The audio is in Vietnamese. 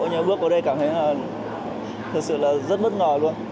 nhà bước vào đây cảm thấy là thật sự là rất bất ngờ luôn